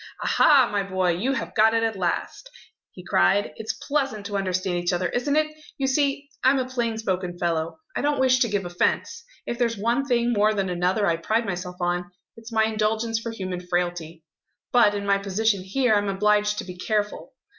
"Aha, my boy, you have got it at last!" he cried. "It's pleasant to understand each other, isn't it? You see, I'm a plain spoken fellow; I don't wish to give offence. If there's one thing more than another I pride myself on, it's my indulgence for human frailty. But, in my position here, I'm obliged to be careful.